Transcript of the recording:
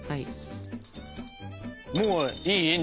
もういい？